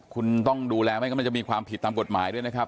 คุณต้องดูแลไม่กำลังจะมีความผิดตามกฎหมายด้วยนะครับ